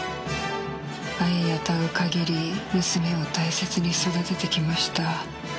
愛能う限り娘を大切に育ててきました。